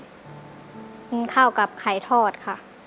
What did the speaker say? กินข้าวกับไข่ทอดค่ะ